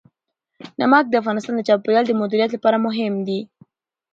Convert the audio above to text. نمک د افغانستان د چاپیریال د مدیریت لپاره مهم دي.